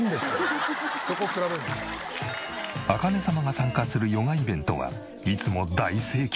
茜様が参加するヨガイベントはいつも大盛況。